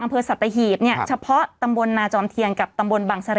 อำเภอสัตหีบเนี่ยเฉพาะตำบลนาจอมเทียนกับตำบลบังเสร่